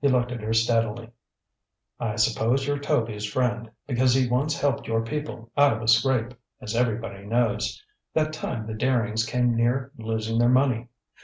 He looked at her steadily. "I suppose you're Toby's friend, because he once helped your people out of a scrape, as everybody knows that time the Darings came near losing their money.